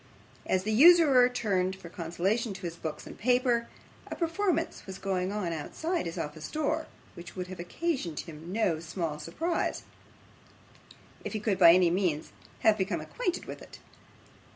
As the usurer turned for consolation to his books and papers, a performance was going on outside his office door, which would have occasioned him no small surprise, if he could by any means have become acquainted with it.